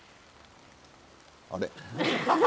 あれ？